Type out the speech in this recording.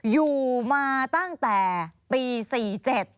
อยู่มาตั้งแต่ปี๔๗